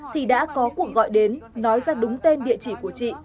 thì đã có cuộc gọi đến nói ra đúng tên địa chỉ của chị